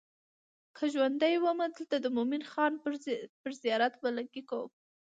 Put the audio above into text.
که ژوندی وم دلته د مومن خان پر زیارت ملنګه یم.